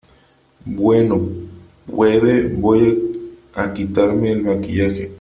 bueno , puede . voy a quitarme el maquillaje .